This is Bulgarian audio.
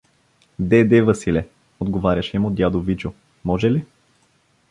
— Де, де, Василе… — отговаряше му дядо Вичо. — Може ли?